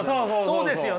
そうですよね。